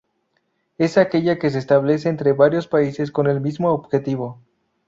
Es aquella que se establece entre varios países con el mismo objetivo.